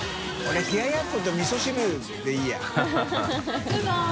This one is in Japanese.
冷ややっことみそ汁でいいや。